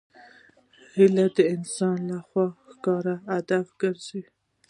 هیلۍ د انسان له خوا د ښکار هدف ګرځي